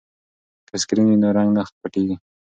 که سکرین وي نو رنګ نه پټیږي.